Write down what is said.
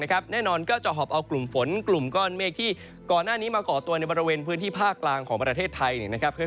แน่นอนก็จะหอบเอากลุ่มฝนกลุ่มก้อนเมฆที่ก่อนหน้านี้มาก่อตัวในบริเวณพื้นที่ภาคกลางของประเทศไทย